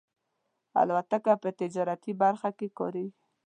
الوتکه په تجارتي برخه کې کارېږي.